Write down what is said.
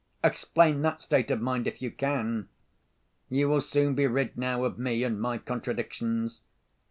Explain that state of mind, if you can. You will soon be rid, now, of me and my contradictions.